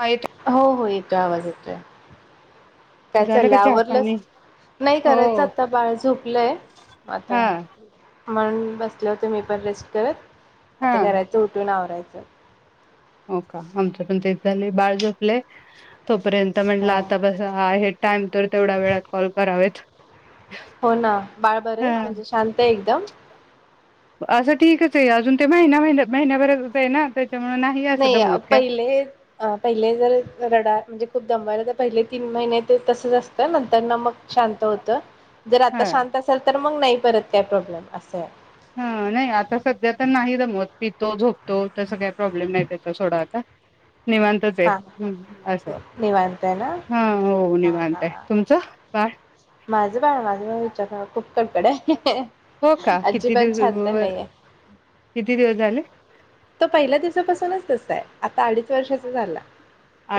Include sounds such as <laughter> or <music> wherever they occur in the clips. हा येतो हो हो येतोय आवाज येतोय काय झालं का चाललंय चहा आवरलंस पाणी नाही हो करायच आता बाळ झोपलंय हा आता म्हण बसले होते मी पण रेस्ट करत हा आता करायचं उठून आवरायचं. स <unintelligible> हो का आमच्या पण ते झाले बाळ झोपले त. र्यंत म्हटलं हा आता बस. टाईम तर तेवढ्या वेळात कॉल करावेत. हो ना बाळबरे हा म्हणजे शांत आहे एकदम असं ठीकच आहे अजून ते महिना महि महिन्याभरच आहे ना. त्याच्यामुळे असं नाही दमवत काय पहिले पहिले जर रडा म्हणजे खूप दमवाला तर पहिले तीन महिने तसच असतं नंतर न मक शांत होतं. जर आता हा शांत असेल तर मग नाही. परत काय प्रॉब्लेम असा आहे. हा नाही आता सध्या तर नाही जमत. पितो झोपतो तसं काय प्रॉब्लेम नाही त्या सोडाात. हओ. <unintelligible> निवांतच हा आहे असं, निवांत आहे ना हा हो हा निवांत आहे. हा तुमचं बाळ? माझं बाळ माझं म विचार खूप कडकड आहे. हो का किती अजिबात शांत दिवसर नाहीये किती दिवस झाले. तो पहिल्या दिवसापासूनच अससत. आता अडीच वर्षाचा झाला.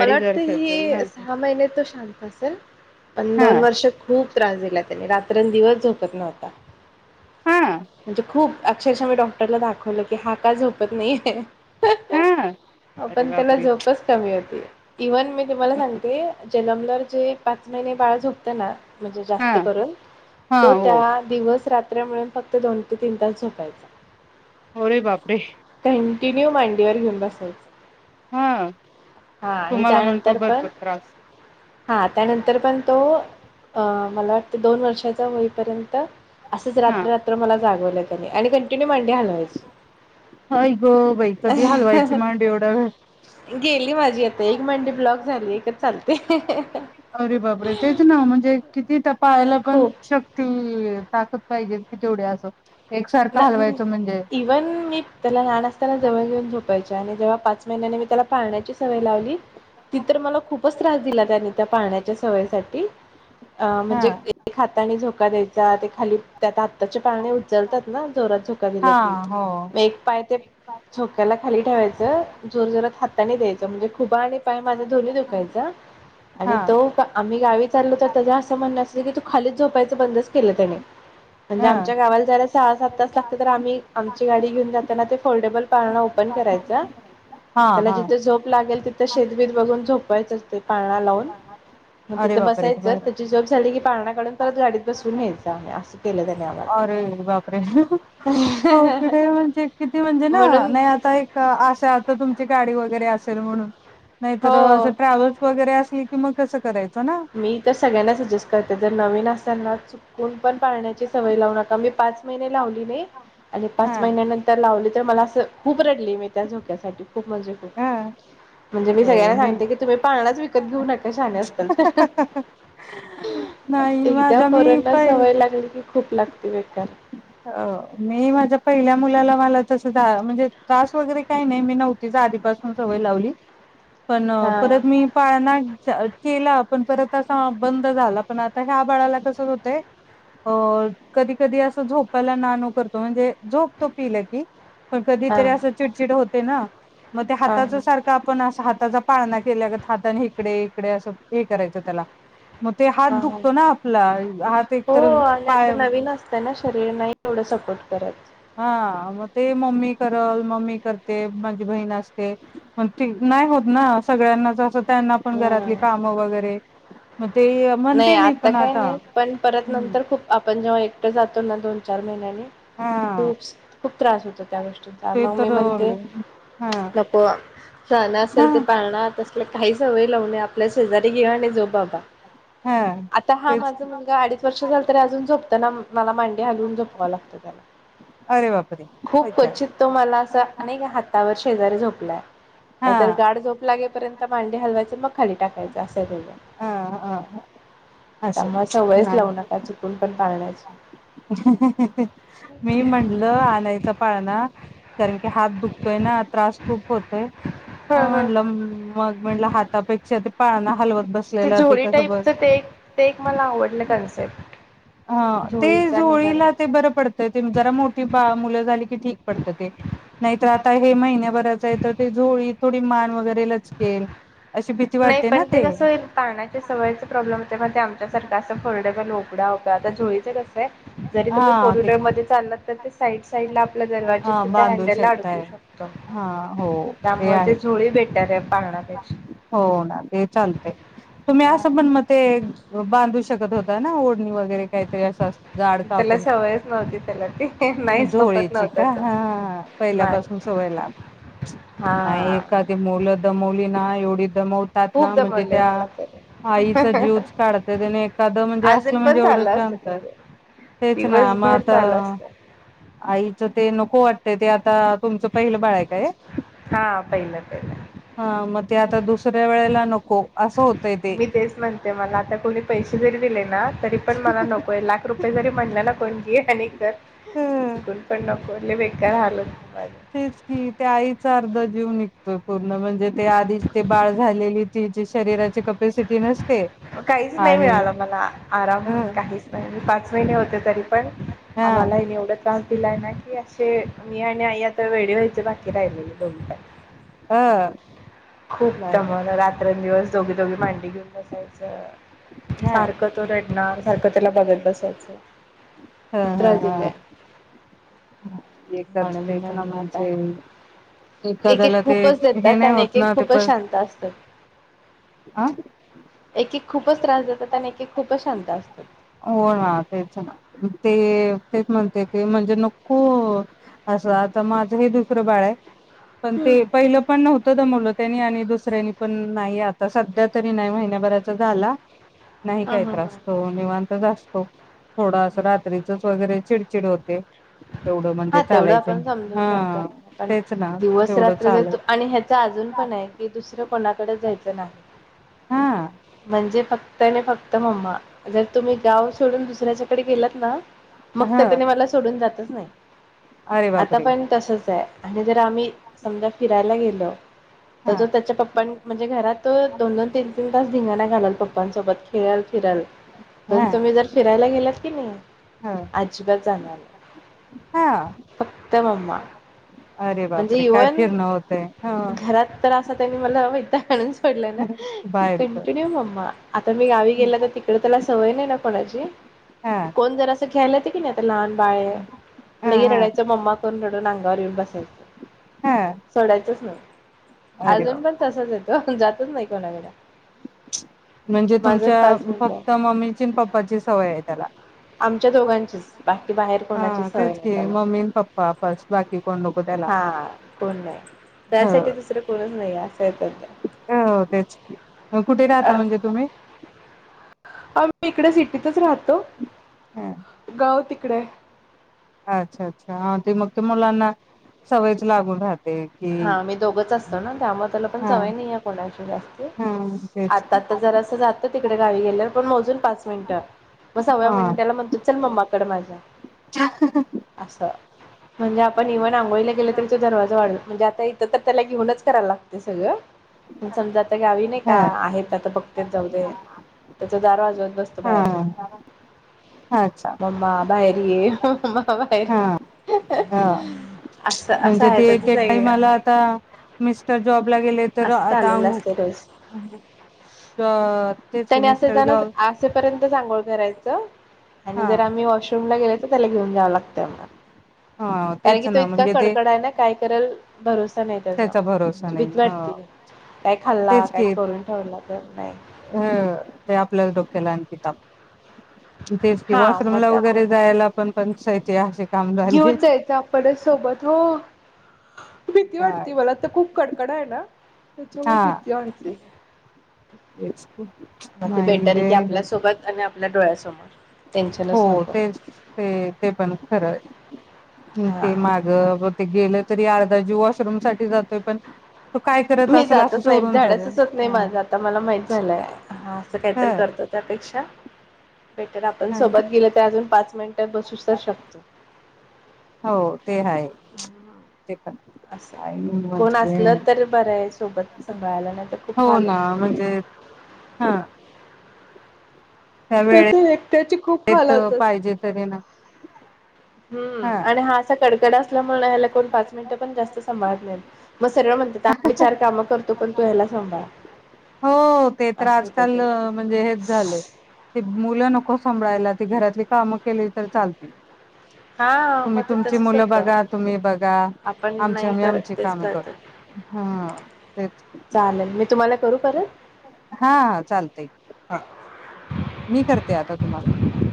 अडीच वर्षाच ही सहा महिने तो शांत असल. पण हा दोन वर्ष खूप त्रास दिला त्यानी रात्र दिवस झोपत नव्हता. हा हा म्हणजे खूप. अक्षरशः मी डॉक्टरला दाखवलं की, हा का झो पत नाही है. हा अरे पण त्याला बापरे झोपच कमी होती. इव्हन मी तुम्हाला सांगते जन्मलाव जे पाच महिने बाळ झोकत ना म्हणजे हा जास्त करून हा तो हो त्या दिवस रात कत्र्यामुळे फक्त दोन ते तीन तास झोपायचा. होरे बापरे. कंटिन्यू मांडीवर घेऊन बसायच. हा हा आणि तुम्हाला म्हणतो त्यानंतर पण भरपूर त्रास हा, त्यानंतर पण तो अ मला वाटतं दोन वर्षाचा होईपर्यंत त असंच हा रात्र रात्र मला जागवलंय. आणि कंटिन्यू मांडी हलवायच. अऐ ग बाई कधी हलवायची मांड एवढा वेळ. गेली वी हं हं हं अरे बाबरे तेच ना म्हणजे. किती त्या पाहायला पण खूप शक्ती ताकद. पाहिजे कि तेवढ्या असो. ना उ इव्हन मी त्याला लहान असताना जवळ घऊन झोपायची, आणि जेव्हा पाच महिन्याने मी त्याला पाळण्याची सवय लावली, ती तर मला खूपच त्रास दिला त्यानी त्या पाळण्या सवयसाठी आ हा म्हणजे हाताने झो झोका द्यायचा ते खाली त्या आत्ताचे पाळणे उचलत. मग जोरात झो दिला हा की, हो मे एक पाय ते झोक्याला खाली ठेवायच, जोर जोरात हातानी द्यायच, म्हणजे खुबा आणि पाय माझ्या दोन्ही दुखायचं, आणि हा तो पा आ मी गावीच. चाल तर त्यां असं म्हण असं की तू. खालीच झोपायचं बंदच केलं त्याने. म्हणजे ह आमच्या गावाला जरा सहा सात तास लागते तर आम्ही, आमची गाडी घेऊन जाताना ते फोल्डेबल पाळणा ओपन करायचा. हा त्याला हा जिथे झोप लागेल तिथ. शेतबीत बघून झोपायचं ते पाळना लावून मग अरे तिथं बापरे बसायचं बर. त्याची झोप झाली की पाळना न परत गाडीत बसून न्यायचं केलं त्याने आम्हाला रे बाप हो म्हणजे किती म्हणजे ना म्हणून नाही आता एक आशा आता तुमची गाडी वग. वगैरे असेल म्हणून नाहीतर हो असं ट्रॅव्हल्स वगैरे असले की मग कसं कराय मी तर सगळ्यांना सजेस्ट करते. जर नवीन असाल ना चुकून पण पाळण्याची सवय लावू नका मी पाच महिने लावली नाही. आणि पाच हा महिन्यानंतर लावले तर मला असं खूप रडली मी त्या झोक्यासाठी खूप म्हणजे खूप. हा म्हणजे मी सगळ्यांना सांगते की तुम्ही पाळनाच विकत घेऊ न का शहाने असताल तर ह...... नाही एकदा माझ्या मी पोरांना पहि सवय लागली की खूप लागते बेकार. अ मी माझ्या पहिल्या मुलाला मला तस म्हणजे त्रास वगैरे काही नाही, मी नव्हतीच आधीपासून सवय लावली. पण हा परत मी पाळना. केला पण परत असा बंद झाला पण आता ह्या बाळाला कस होतंय अ कधी कधी अस झोप झोपायला ना-णू करतो म्हणजे जोपतो पिलं की पण हा कधीतरी असं चिडचिड होते पण. ते ना. मग ते हा हाताच हा सारख आपण असं हात. त्याचा पाळना केल्यागत, हाताने इकडे-इकडे असं हे करायचो त्याला. मग ते हात हा दुखतो ना आपला हात हो एकतर आणि आता पाय नवीन असतंय ना शरीर नाही एवढं सपोर्ट करत. हा मग ते मम्मी करल, मम्मी करते, माझी बहीण असते, म नाही होत ना सगळ्यांनाच असं. त्यांना पण हम्म घरातली काम वगैरे ते नाही म्हणते मी आता पण काही नाही, पण परत नंतर खूप आपण जेव्हा एकटं जातो ना दोन चार महिन्याने. हा खूप खूप त्रास होतो, त्या गोष्टीचा ते मग मी तर म्हणते, हा नको शहान हा असेल ते पाळणार आपल काही सवय लावू नये, आपल्या शेजारी घेवा आणि झोप बाबा हा आता हा तेच माझा मुलगा अडीच वर्ष झाला तरी अजून झोपताना मला मांडी हालवून झोपवावं लागतं त्याला अरे बापरे खूप ओके क्वचित तो मला अस अनेक हातावर शेजारी झोपलाय हा नाहीतर गाड लागेपर्यंत. मांडी हलवायचे मग खाली टाकायचं अस आहे तेचं. अ अ असं त्यामुळे सवयच लावू नाही नका चुकून पण. पाळण्याची मी म्हटलं आणायचा पाळणा कारण की हात दुखतोय ना त्रास खूप होतोय ह ह म्हणलं मग म्हणलं हाता पेक्षा पाळणा हलवत ते बसलेलं झोडी कसं बर टाईपच ते ते एक मला आवडलं कन्सेप्ट ह ते झोळीचा निघाला जोळीला ते बरं पडतं ते जरा मोठी बा मुलं झाली की ठीक पडत ते नाहीत ता हे महिन्याभराच आहे तर ते झोळी थोडी मान वगैरे लचकेल अशी भीती नाही वाटते पण ना ते कसं होईल पााण्याच्या सवयचा प्रॉब्लेम होते म ते आमच्या सारखं असं फरडेबल उकडाव आता झोळीच कसं जरी तुम्ही हा फोर ते व्हीलर मध्ये चाललात तर ते साईड साईड ला आपल्या हा दरवाज्या त्या बांधू हँडल ला अडकू शकताय शकत. हा हो त्यामुळे ते आहे झोळी बेटर आहे. पाळणा पेक्षा ते चालतय चालतय तुम्ही असं पण ते बांधू शक शगत होता ना ओढणी वर हे काहीतरी असं असतं जाड त्याला कापड सवयच नव्हती त्याला ती नाही झोपत झोळीची नव्हता का तो. हा नाही पहिल्यापासून सवय लाव आ हा एखादी मुल दमवल ती ना एवढीत दमवतात ना खूप म्हणजे दमवलंय त्या मला तरी. आईचा जीवच काढत्यात आणि एखादं म्हणजे असल अजून म्हणजे पण एवढं चालू असतं शांत तेवढे तेच ना मग दिवसभर चालू आता असतं. आईचं ते नको वाटतय ते आता तुमचं पहिलं बाळ आहे का हे हा पहिलं पहिलं. ह म ते आता दुसऱ्या वेळेला नको असं होत मी तेच म्हणते मला आता कोणी पैसे जरी दिले ना तरी पण मला नकोय लाख रुपये जरी म्हटल ना कोणी ये आणि कर ह चुकुनपण नको कळाल तेच की ते आई अर्धा जीवुन निघतोय बघ म्हणजे ते आधीच ते बाळ झालेली ति शरीराची कपसिटी नस काहीच नाही मिळालं मला आराम ह काहीच नाही म पाच महिने होते तरी पण हा आम्हाला एवढं तान तिलाय ना की असे मी आणि आई आता वेडे व्हायचे बाकी राहिलेले दोनी पण हा खूप दमवलं रात्रनं दिवस दोघी दोघी मांडीवर घेऊन बसायचं ह सारखं तो रडणार सारखं त्याला बघत बसायचं. हा, खूप हा त्रास हा. दिलाय म्हणून म्हटलं आता म्हणजे एक एक एखाद्याला ते खूपच हे येतात, नाही आणि एक होत एक खूपच शांत असतात. आ. एक एक खूपच त्रास देतात, आणि एक एक खूपचं शांत असतात. हो ना तेच ना ते तेच म्हणते ते म्हणजे नको असं आता माझं हे दुसरं बाळ आहे. पण ते पहिलं पण नव्हतं दमवलं. त्यांनी आणि दुसऱ्यांनी पण नाही आता सध्या तरी नाही महिन्याभराचा झाला. नाही हा काही हा हा त्रासतो निवांत असतो हो थोडा अस हा रात्रीचा वगैरे चिडतो चिड होते. तेवढं हा म्हणजे तेवढं चालायचं आपण समजू शकतो हा ना आपण तेच ना दिवस तेवढं रात्र जर चालत आणि ह्याच अजून पण आहे कि दुसरं कोणाकडे जायचं नाही. हा म्हज म्हणजे फक्त आणि फक्त मम्मा जर तुम्ही गाव सोडून दुसऱ्याच्याकडे गेलात ना. मग त हा त्याने मला सोडून जात ते नाही, अरे आता बापरे! पण तसच आहे. आणि जर आम्ही समजा फिरायला गेल तर तो हां, त्याच्या पप्प म्हणजे घरात तो दोन दोन तीन तीन तास धिंगाणा घालल पप्पांसोबत. फिराल फिराल म्हणून हां, तुम्ही जर फिरायला गेलात कीनी आजीबात चालणार नाही. हा उत्तममा. अरे बापरे काय फिर नव्हते हा घरात तर असं त्यांनी मला वैताग आणून सोडलंय ना. ह बाहेर पण. कंटिन्यू मम्मा. आता मी गावी गेल तर तिकडे तेला.. सवय नाही ना कोणाची हां, कोण जरा घ्यायला येते की नाय आता लहान बाळ ये हां, लय हां, रडायच मम्मा करून रडून अंगावर येऊन बसायचं हां. सोडायचंच न अरे वा! अजून पण तसच येतो जात तच नाय कोणाकड म्हणजे तुमच्या मिनिटं आहे फक्त मम्मीची पप्पाची सवय आहे त्याला आमच्या दोघांचीच बाकी बाहेर कोणाची हा सवय तेच नाही कि त्याला मम्मी पप्पा फस्ट बाकी कोन नको त्याला. हा कोण नाही हो, त्यासाठी दुसरं कोणच नाही असं आहे त्यांच हो तेच की. मग कुठे राहता म्हणजे तुम्ही? आम्ही इकडे सिटीतच राहतो. हां, त गावती इकडे अच्छा अच्छा हा ते मग ते मुलांना सवयच लागून राहत हा आम्ही दोघच असतो ना त्यामुळे त्याला पण हां, सवय नाही आहे कोणाची जास् हां, तेच. आता आता जरा अस जात तिकडे गावी गेल्या पण मोजून पाच मिनिटं मग सव्व्या हां, मिनिटाला म्हणतो चल मम्माकड माझा असं म्हणजे आपण इव्ह आंघोळीला गेलो तरी तो दरवाजा वाढव म्हणजे आता इथं तर त्याला घेऊनच करायला लागतय सगळं पण समजा गावी नाय का हां. आहेत आता बघ तेच जाऊदे त्याचा दार वाज हा हा अच्छा मम्मा बाहेर ये हा ह <unintelligible> <inaudible> असं असं म्हणजे ते आहेत एक आधी एक टाइमाला आता मिस्टर जॉबला गेले तर अस आता चालवल असत रोज अ तेच की त्यांनी असे मिस्टर जॉब असेपर्यंत सांग करायचं आणि हा जर आम्ही वॉशरूमला गेले तर त्याला घेऊन जाय लागतय मला हा कारण तेच की तो ना इतका म्हणजे ते कडकडा आहे ना काय करल भरोस त्याचा भरोसा नाही काय हं खाल्ला तेच काय की करून ठेवला तर नाही हं ते आपल्याला डोक्याला आणखी ताप हं तेेच की हा मग वॉशरूमला त्या वगैरे जायला पण पंचाईत ते आसे घेऊन जायचं आपणच सोबत हो. भीती काय वाटती मला तर खूप कडकडा आहे ना त्याच्यामुळे हा भीती आणखी तेच म ते बेटर आहे की नाही आपल्यासोबत आणि आपल्या डोळ्यास <unintelligible> हो तेच तेच ते पण खरं हम्म हा ते मागं ब ते गेलं. तरी अर्धा जीव वॉशरूम साठी जातोय पण तो काय करत मी असेल असं जातच नाही सोडून झालं धाडसच होत नाही माझं आता मला माहित झालंय, असं ह काहीतरी करतो त्यापेक्षा बेटर आपण ह सोबत गेल तर अजून पाच मिंट बसू तर शकतो. हो ते आहे. ते पण असं कोण म्हणजे असलं तर बरं आहे सोबत सांभाळायला नाही तर खूप हो हाल ना म्हणजे हा त्या ते त्याची खूप हाला होतात. पाहिजे तरी ना हम्म आणि हा असा कडकडा स म्हणायला कोण पाच मिनिटं पण जास्त सांभाळत नाही मग सरळ म्हणतात आम्ही चार कामं करतो पण तू ह्याला सांभाळ हो ते तर अस होत. आजकाल मुलं नको को संभळायला ते घरातली काम केली तर चालतील. हा तुम्ही मग ते तुमची तसच मुलं होतं. बघा तुम्ही बघा आपण आमच्या नाही आम्ही आमची करत तेच काम करतो करतात. ह तेच. तु हा चालतंय. मी करते आता तुम्हाला.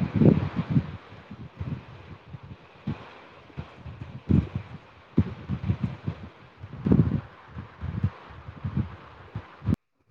<inaudible>